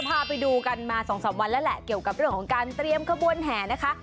พาไปดูกันมา๒๓วันแล้วแหละเกี่ยวกับเรื่องของการเตรียมขบวนแห่นะคะ